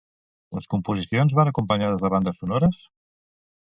Les composicions van acompanyades de bandes sonores?